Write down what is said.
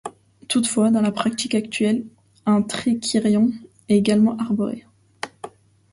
Toutefois, dans la pratique actuelle, un trikirion est également arboré.